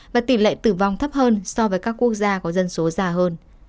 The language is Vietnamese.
và tỷ lệ tử vong thấp hơn so với các quốc gia có dân số già hơn